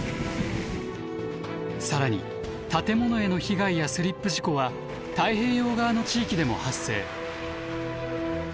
更に建物への被害やスリップ事故は太平洋側の地域でも発生。